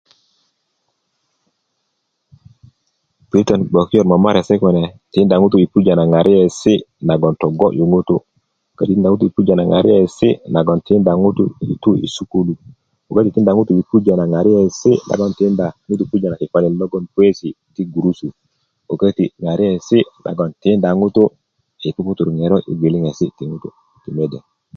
piritön bgokiyöt momoresi kune tikinda ŋutu i pujö na ŋariesi nagon togoyu ŋutu ko tikinda ŋutu i pujö na ŋariesi nagon tinda ŋutu i tu i sukulu ko köti tikinda ŋutu i pujö na ŋariesi logon tinda ŋutu i pujö na kikö lo puesi ti gurursu ko köti ŋariesi nagon tinda ŋutu puputuru ŋerot i gwiliŋesi ti mede